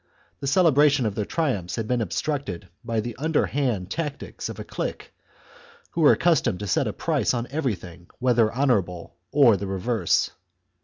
The celebration of their triumphs had been obstructed by the underhand tactics of a clique who were accustomed to set a price on everything whether honourable or the reverse.